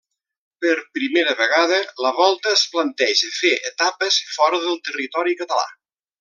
Per primera vegada la Volta es planteja fer etapes fora del territori català.